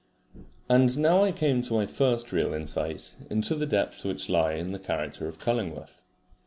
And now I came to my first real insight into the depths which lie in the character of Cullingworth.